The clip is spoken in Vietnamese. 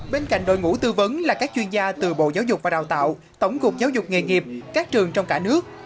bên cạnh đội ngũ tư vấn là các chuyên gia từ bộ giáo dục và đào tạo tổng cục giáo dục nghề nghiệp các trường trong cả nước